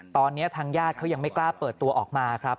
ตอนนี้ทางญาติเขายังไม่กล้าเปิดตัวออกมาครับ